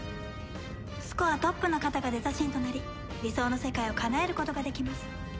スコアトップの方がデザ神となり理想の世界をかなえることができます。